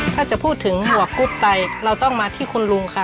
ถ้าจะพูดถึงหมวกกรุ๊ปไตเราต้องมาที่คุณลุงค่ะ